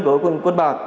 của quân bạc